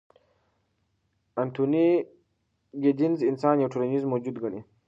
انتوني ګیدنز انسان یو ټولنیز موجود ګڼي.